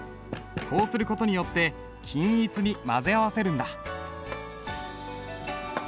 こうする事によって均一に混ぜ合わせるんだ。